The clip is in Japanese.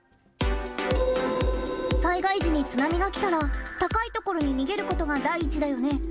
災害時に津波が来たら高いところに逃げることが第一だよね。